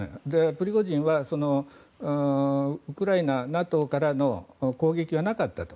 プリゴジンはウクライナ、ＮＡＴＯからの攻撃がなかったと。